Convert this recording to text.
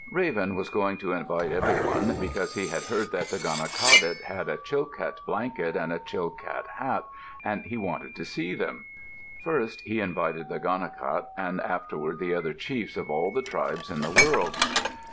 Raven was going to invite every one because he had heard that the Gonaqadet had a Chilkat blanket and a Chilkat hat and he wanted to see them. First he invited the Gonaqadet and afterward the other chiefs of all the tribes in the world.